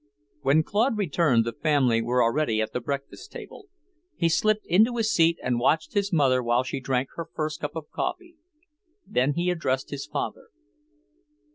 When Claude returned, the family were already at the breakfast table. He slipped into his seat and watched his mother while she drank her first cup of coffee. Then he addressed his father.